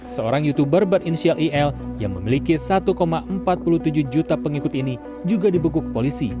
situs berbatin sial il yang memiliki satu empat puluh tujuh juta pengikut ini juga dibukuk polisi